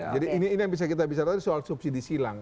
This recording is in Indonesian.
jadi ini yang bisa kita bicara soal subsidi silang